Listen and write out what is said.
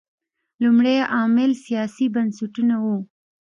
لومړی عامل سیاسي بنسټونه وو.